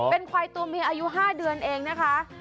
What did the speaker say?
เป็นควายตัวเมียอายุ๕เดือนเองนะคะ